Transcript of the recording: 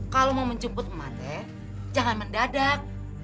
kalau mau menjemput ema teh jangan mendadak